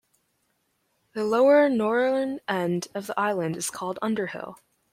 The lower northern end of the island is called Underhill.